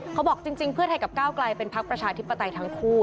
เขาบอกจริงเพื่อไทยกับก้าวกลายเป็นพักประชาธิปไตยทั้งคู่